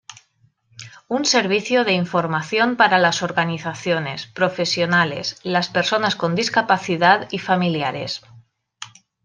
Un servicio de información para las organizaciones, profesionales, las personas con discapacidad y familiares.